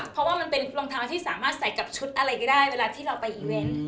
เพราะว่ามันเป็นรองเท้าที่สามารถใส่กับชุดอะไรก็ได้เวลาที่เราไปอีเวนต์